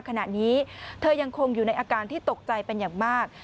ขณะนี้เธอยังคงอยู่ในอาการที่ตกใจเป็นอย่างมาก